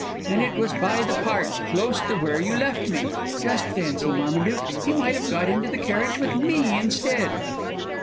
And it was by the Park, close to where you left me. Just fancy, Marmaduke, he might have got into the carriage with me, instead!